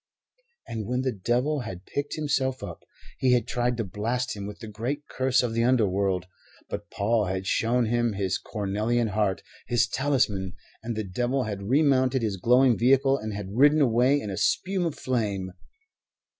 And when the devil had picked himself up, he had tried to blast him with the Great Curse of the Underworld; but Paul had shown him his cornelian heart, his talisman, and the devil had remounted his glowing vehicle and had ridden away in a spume of flame.